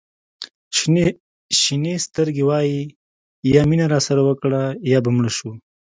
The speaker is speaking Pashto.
شینې سترګې وایي یا مینه راسره وکړه یا به مړه شو.